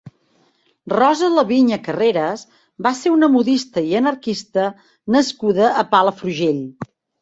Rosa Laviña Carreras va ser una modista i anarquista nascuda a Palafrugell.